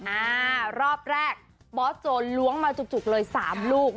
อ่ารอบแรกบอสโจนล้วงมาจุดจุดเลยสามลูก